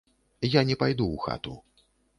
Я не пайду ў хату.